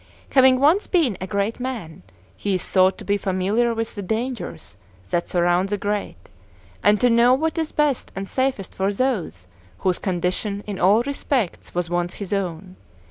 Having once been a great man, he is thought to be familiar with the dangers that surround the great, and to know what is best and safest for those whose condition in all respects was once his own.